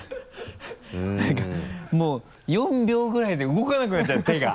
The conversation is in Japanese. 何かもう４秒ぐらいで動かなくなっちゃった手が。